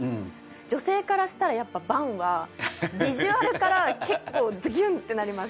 女性からしたらやっぱバンはビジュアルから結構ズキュンってなります